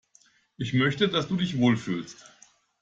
Ich möchte, dass du dich wohl fühlst.